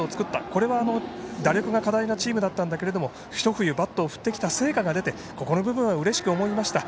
これは打力が課題のチームでしたが一冬、バットを振ってきた成果が出て、ここの部分はうれしく思いました。